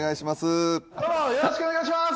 よろしくお願いします。